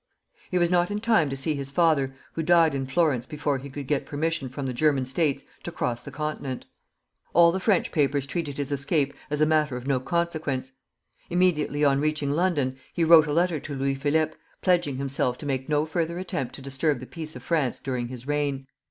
He was not in time to see his father, who died in Florence before he could get permission from the German States to cross the continent. All the French papers treated his escape as a matter of no consequence. Immediately on reaching London, he wrote a letter to Louis Philippe, pledging himself to make no further attempt to disturb the peace of France during his reign.